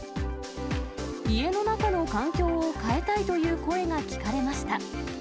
家の中の環境を変えたいという声が聞かれました。